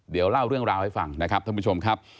เดี๋ยวเล่าเรื่องราวให้ฟังนะครับท่านผู้ชมครับ